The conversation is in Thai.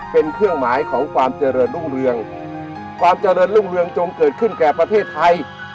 เป็นเครื่องหมายของความเจริญรุ่งเรืองความเจริญรุ่งเรืองจงเกิดขึ้นแก่ประเทศไทย